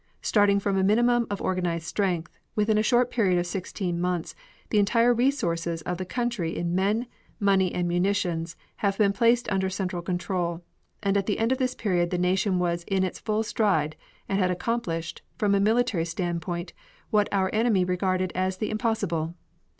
Starting from a minimum of organized strength, within this short period of sixteen months the entire resources of the country in men, money, and munitions have been placed under central control, and at the end of this period the Nation was in its full stride and had accomplished, from a military standpoint, what our enemy regarded as the impossible.